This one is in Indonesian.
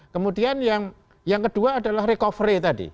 kemudian yang kedua adalah recovery tadi